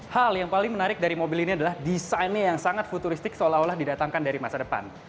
hal yang paling menarik dari mobil ini adalah desainnya yang sangat futuristik seolah olah didatangkan dari masa depan